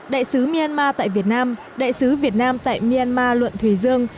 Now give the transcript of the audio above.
đại sứ myanmar tại việt nam đại sứ việt nam tại myanmar luận thùy dương